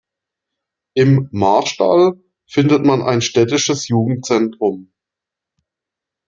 Im Marstall findet man ein städtisches Jugendzentrum.